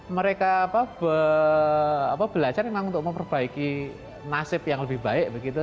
mereka belajar memang untuk memperbaiki nasib yang lebih baik begitu